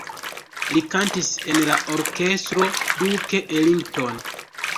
Li kantis en la Orkestro Duke Ellington.